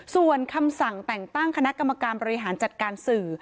ส่วนคำสั่งแต่งตั้งคณะกรรมการบริหารจัดการสื่อ